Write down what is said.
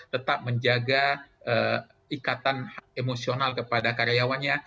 tetap menjaga ikatan hak emosional kepada karyawannya